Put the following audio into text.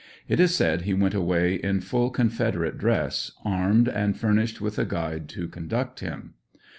It is said he went away in full Confederate dress, armed, and furnished with a guide to conduct him.